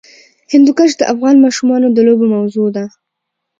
هندوکش د افغان ماشومانو د لوبو موضوع ده.